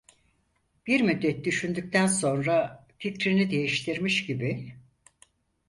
Bir müddet düşündükten sonra fikrini değiştirmiş gibi: